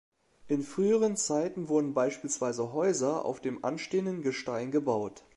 In früheren Zeiten wurden beispielsweise Häuser auf dem anstehenden Gestein gebaut.